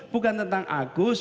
bukan tentang agus